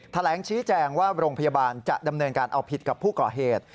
แถลงชี้แจงว่าโรงพยาบาลจะดำเนินการเอาผิดกับผู้ก่อเหตุ